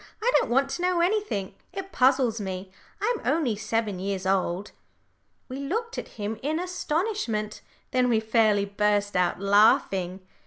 "I don't want to know anything. It puzzles me. I'm only seven years old." We looked at him in astonishment. Then we fairly burst out laughing.